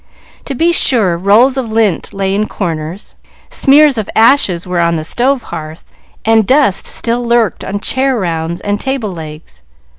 To be sure, rolls of lint lay in corners, smears of ashes were on the stove hearth, and dust still lurked on chair rounds and table legs.